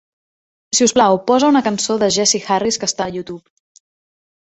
Si us plau, posa una cançó de Jesse Harris que està a Youtube.